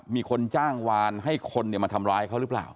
มีคนจ้างวานให้คนมาทำร้ายเขาหรือเปล่า